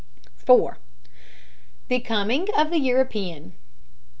4. THE COMING OF THE EUROPEAN.